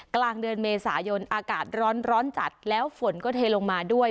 กลางเดือนเมษายนอากาศร้อนจัดแล้วฝนก็เทลงมาด้วย